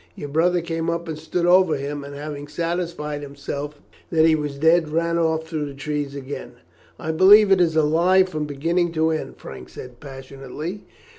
Your brother came up and stood over him, and having satisfied himself that he was dead, ran off through the trees again." "I believe it is a lie from beginning to end," Frank said passionately.